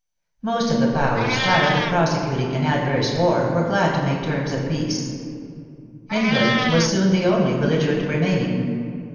Most of the powers, tired of prosecuting an adverse io8 THE FRENCH REVOLUTION war, were glad to make terms of peace. England was soon the only belligerent remaining.